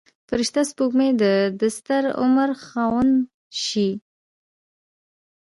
فرشته سپوږمۍ د دستر عمر خاونده شي.